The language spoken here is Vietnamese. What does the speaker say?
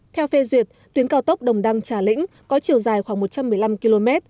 theo phê duyệt tuyến cao tốc đồng đăng trà lĩnh có chiều dài khoảng một trăm một mươi năm km